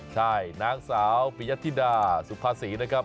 ใช่นางสาวปียธิดาสุภาษีนะครับ